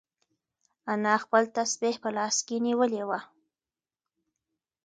انا خپل تسبیح په لاس کې نیولې وه.